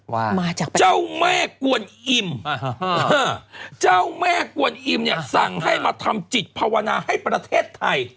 ว่ามาจากเจ้าแม่กวนอิ่มเจ้าแม่กวนอิมเนี่ยสั่งให้มาทำจิตภาวนาให้ประเทศไทย